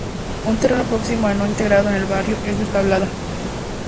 Un terreno próximo no integrado en el barrio es el de Tablada.